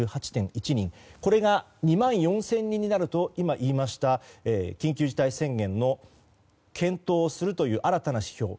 これが２万４０００人になると今、言いました緊急事態宣言を検討をするという新たな指標